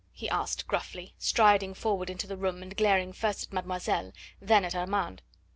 he asked gruffly, striding forward into the room and glaring first at mademoiselle, then at Armand.